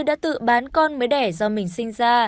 đã tự bán con mới đẻ do mình sinh ra